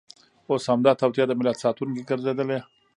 اوس همدا توطیه د ملت ساتونکې ګرځېدلې.